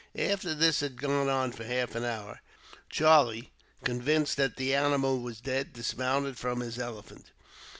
After this had gone on for half an hour, Charlie, convinced that the animal was dead, dismounted from his elephant.